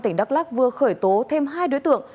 tỉnh đắk lắc vừa khởi tố thêm hai đối tượng